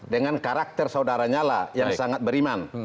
dengan karakter saudaranya lah yang sangat beriman